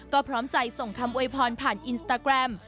ก็พร้อมใจส่งคำโวยพรผ่านอินสตาแกรม